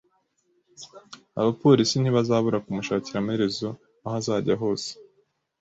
Abapolisi ntibazabura kumushakira amaherezo aho azajya hose.